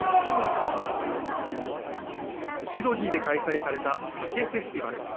シドニーで開催されたＳＡＫＥフェスティバル。